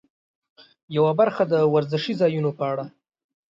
یوه برخه د ورزشي ځایونو په اړه.